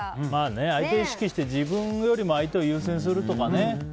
相手を意識して相手よりも自分を優先するとかね。